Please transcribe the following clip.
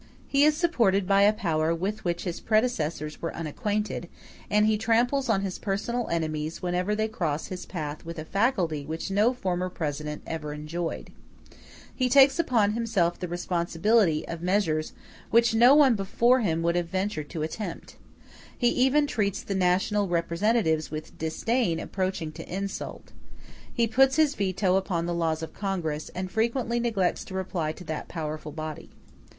He is supported by a power with which his predecessors were unacquainted; and he tramples on his personal enemies whenever they cross his path with a facility which no former President ever enjoyed; he takes upon himself the responsibility of measures which no one before him would have ventured to attempt: he even treats the national representatives with disdain approaching to insult; he puts his veto upon the laws of Congress, and frequently neglects to reply to that powerful body.